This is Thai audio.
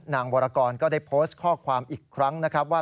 วรกรก็ได้โพสต์ข้อความอีกครั้งนะครับว่า